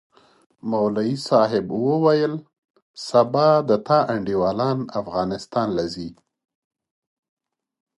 مولوي صاحب وويل سبا د تا انډيوالان افغانستان له زي؟